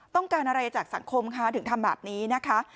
ต้องการอะไรจากสังคมคะถึงทำแบบนี้นะคะ